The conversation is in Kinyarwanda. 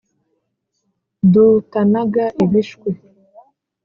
dutanaga ibishwi